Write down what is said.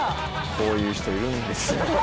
こういう人いるんですよ